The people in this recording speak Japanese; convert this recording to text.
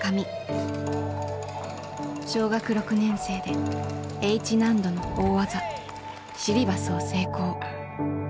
小学６年生でＨ難度の大技シリバスを成功。